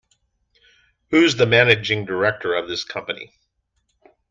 Who's the managing director of this company?